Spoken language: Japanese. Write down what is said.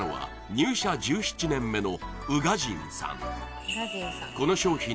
入社１７年目の宇賀神さん